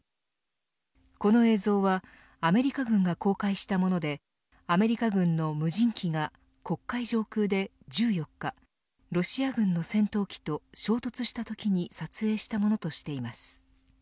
この映像はアメリカ軍が公開したものでアメリカ軍の無人機が黒海上空で１４日ロシア軍の戦闘機と衝突したときに撮影したものとしています。